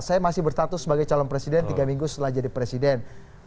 saya masih berstatus sebagai calon presiden tiga minggu setelah jadi presiden